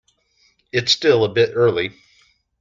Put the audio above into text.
It's still a bit early.